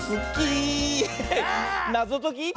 なぞとき。